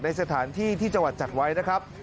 ในสถานที่ที่จังหวัดจัดไว้นะครับ